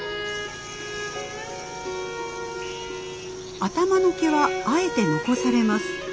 頭の毛はあえて残されます。